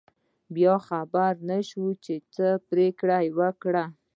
بیا خبر نشو، څه پرېکړه یې وکړه.